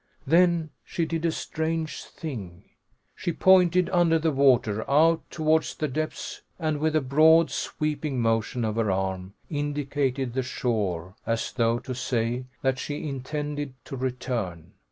Then she did a strange thing. She pointed, under the water, out towards the depths and with a broad, sweeping motion of her arm, indicated the shore, as though to say that she intended to return.